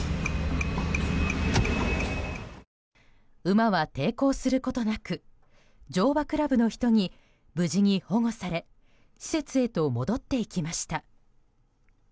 馬は抵抗することなく乗馬クラブの人に無事に保護され施設へと戻っていきました。